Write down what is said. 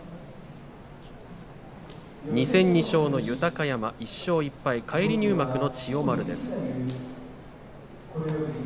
２戦２勝の豊山、１勝１敗の返り入幕の千代丸です。